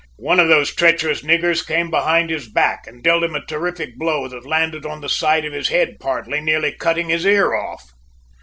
"One of those treacherous niggers came behind his back and dealt him a terrific blow that landed on the side of his head partly, nearly cutting his ear off!"